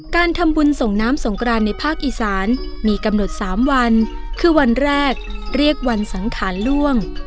การทำบุญส่งน้ำสงกรานในภาคอีสานมีกำหนด๓วันคือวันแรกเรียกวันสังขารล่วง